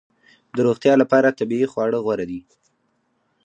د روغتیا لپاره طبیعي خواړه غوره دي